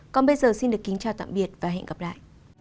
còn bây giờ xin được kính chào tạm biệt và hẹn gặp lại